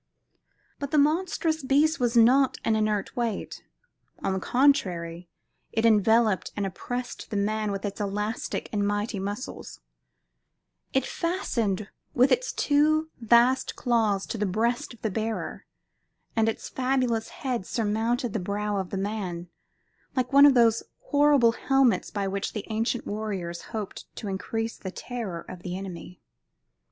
But the monstrous beast was not an inert weight; on the contrary, it enveloped and oppressed the man with its elastic and mighty muscles; it fastened with its two vast claws to the breast of the bearer, and its fabulous head surmounted the brow of the man, like one of those horrible helmets by which the ancient warriors hoped to increase the terror of the enemy.